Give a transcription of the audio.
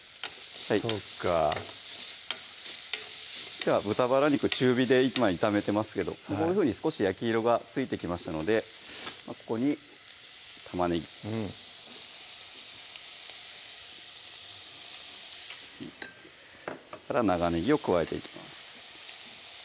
そっかでは豚バラ肉中火で今炒めてますけどこういうふうに少し焼き色がついてきましたのでここに玉ねぎ長ねぎを加えていきます